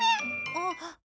あっ。